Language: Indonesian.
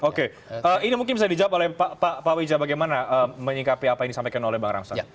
oke ini mungkin bisa dijawab oleh pak wija bagaimana menyikapi apa yang disampaikan oleh bang rangsa